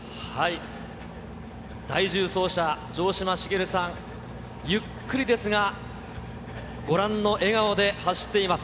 第１０走者、城島茂さん、ゆっくりですが、ご覧の笑顔で走っています。